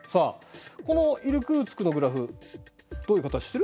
このイルクーツクのグラフどういう形してる？